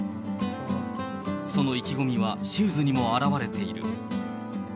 その意気込みはシューズにも表れている。